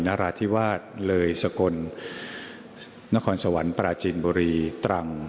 นราธิวาสเลยสกลนครสวรรค์ปราจินบุรีตรัง